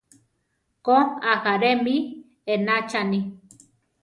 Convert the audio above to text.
Ko, ajáre mi éenachani.